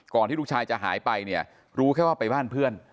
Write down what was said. ก่อนที่ลูกชายจะหายไปนี่รู้แค่ว่าไปบ้านครู